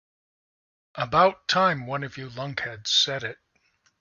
About time one of you lunkheads said it.